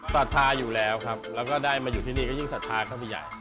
สัทธาอยู่แล้วแล้วก็ได้มาอยู่ที่นี่ก็ยิ่งสัทธาก็มีใหญ่